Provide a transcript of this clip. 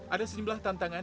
ada sejumlah tantang